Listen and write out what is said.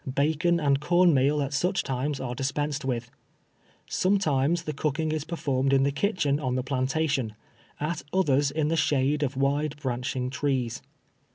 Bacon and corn meal at such times are dispensed with. Some times the cooking is performed in the kitchen on the plantation, at others in the shade of wide branching trees.